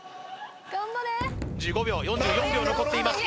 頑張れ４４秒残っています